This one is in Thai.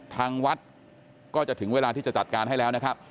ทางวัดก็จะถึงเวลาที่จะจัดการให้แล้วนะครับ